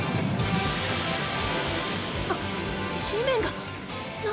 あ地面が何